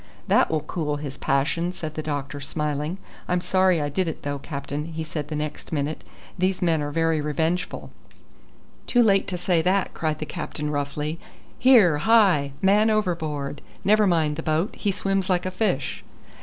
"That will cool his passion," said the doctor, smiling. "I'm sorry I did it though, captain," he said the next minute; "these men are very revengeful." "Too late to say that," cried the captain roughly. "Here, hi! man overboard! Never mind the boat: he swims like a fish."